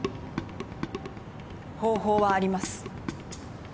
方法はあります。